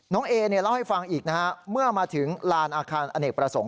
เอเนี่ยเล่าให้ฟังอีกนะฮะเมื่อมาถึงลานอาคารอเนกประสงค์